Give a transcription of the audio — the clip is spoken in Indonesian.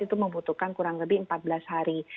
itu membutuhkan kurang lebih empat belas hari